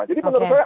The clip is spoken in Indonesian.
jadi menurut saya